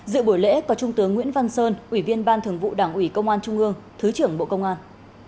dự buổi lễ có trung tướng nguyễn văn sơn ủy viên ban thường vụ đảng ủy công an trung ương thứ trưởng bộ công an